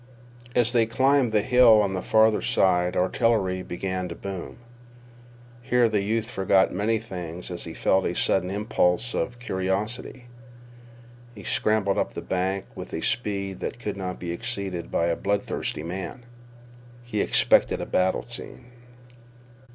As they climbed the hill on the farther side artillery began to boom. Here the youth forgot many things as he felt a sudden impulse of curiosity. He scrambled up the bank with a speed that could not be exceeded by a bloodthirsty man. He expected a battle scene.